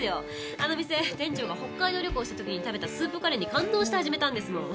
あの店店長が北海道旅行した時に食べたスープカレーに感動して始めたんですもん。